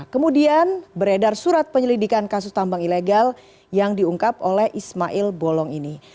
kemudian beredar surat penyelidikan kasus tambang ilegal yang diungkap oleh ismail bolong ini